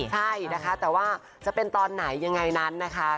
ใช่นะคะแต่ว่าจะเป็นตอนไหนยังไงนั้นนะคะ